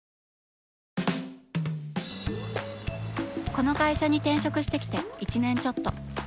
この会社に転職してきて１年ちょっと。